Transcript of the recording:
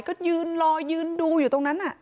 ก็ยืนรอยืนดูอยู่ตรงนั้น